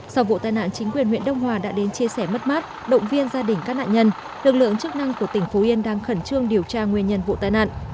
sau vụ tai nạn chính quyền huyện đông hòa đã đến chia sẻ mất mát động viên gia đình các nạn nhân lực lượng chức năng của tỉnh phú yên đang khẩn trương điều tra nguyên nhân vụ tai nạn